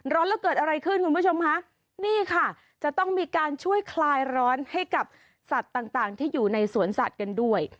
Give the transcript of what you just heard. ร้อนแล้วเกิดอะไรขึ้นคุณผู้ชมคะนี่ค่ะจะต้องมีการช่วยคลายร้อนให้กับสัตว์ต่างที่อยู่ในสวนสัตว์กันด้วย